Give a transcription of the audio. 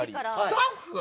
スタッフ！？